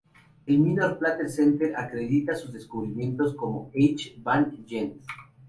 El Minor Planet Center acredita sus descubrimientos como "H. van Gent".